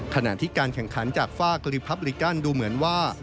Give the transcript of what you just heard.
ขณะที่การแข่งขันจากฝ้ากรีพับลิกันดูเหมือนว่า